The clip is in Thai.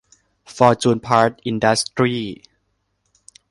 ฟอร์จูน พาร์ท อินดัสตรี้